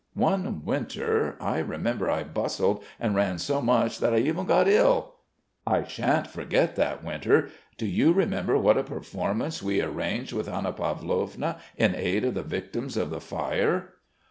One winter, I remember, I bustled and ran so much that I even got ill.... I shan't forget that winter.... Do you remember what a performance we arranged with Anna Pavlovna in aid of the victims of the fire?"